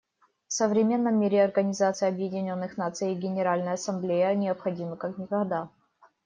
В современном мире Организация Объединенных Наций и Генеральная Ассамблея необходимы как никогда.